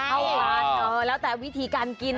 เข้าร้านแล้วแต่วิธีการกิน